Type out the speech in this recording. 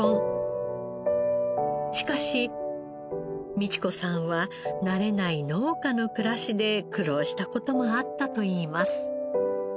しかし美智子さんは慣れない農家の暮らしで苦労した事もあったといいます。